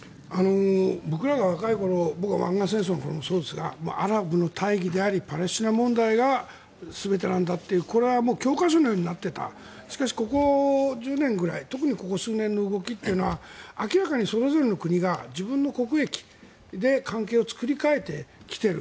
僕らが若い頃は僕は湾岸戦争もそうですがアラブの大義でありパレスチナ問題が全てだというこれは教科書のようになっていたしかし、ここ１０年くらい特にここ数年の動きというのは明らかにそれぞれの国が自分の国益で関係を作り変えてきている。